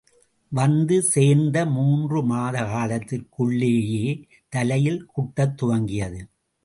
வந்து சேர்ந்த மூன்று மாத காலத்திற்குள்ளேயே தலையில் குட்டத் துவங்கியது.